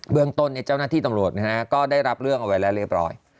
เรื่องต้นเจ้าหน้าที่ตำรวจก็ได้รับเรื่องเอาไว้แล้วเรียบร้อย